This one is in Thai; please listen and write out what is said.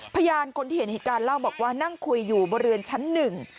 พยานคนที่เห็นเหตุการณ์เล่าบอกว่านั่งคุยอยู่บริเวณชั้นหนึ่ง